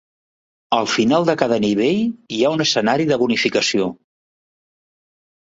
Al final de cada nivell hi ha un escenari de bonificació.